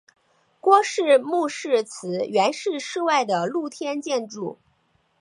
郭氏墓石祠原是室外的露天建筑。